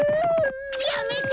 やめて！